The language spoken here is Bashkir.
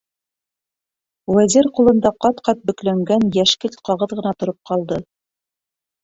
Вәзир ҡулында ҡат-ҡат бөкләнгән йәшкелт ҡағыҙ ғына тороп ҡалды.